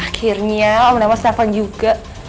akhirnya om nama snafang juga